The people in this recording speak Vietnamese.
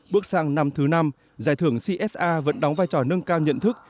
bước sang năm thứ năm giải thưởng csa vẫn đóng vai trò nâng cao nhận thức